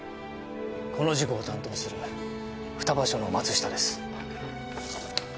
この事故を担当する双葉署の松下です。